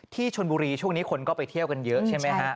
ที่ชนบุรีช่วงนี้คนก็ไปเที่ยวกันเยอะใช่ไหมฮะ